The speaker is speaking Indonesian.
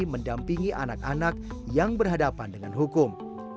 mendampingi anak anak yang berhadapan dengan hukum